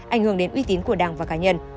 ảnh hưởng đến uy tín của đảng và cá nhân